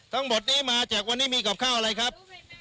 ทั้งหมดนี้มาจากวันนี้มีกับข้าวอะไรครับ